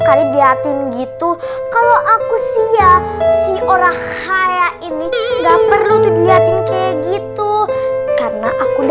kali diatin gitu kalau aku si ya si orang kaya ini nggak perlu dilihatin kayak gitu karena aku